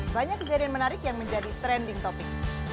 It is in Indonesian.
banyak kejadian menarik yang menjadi trending topic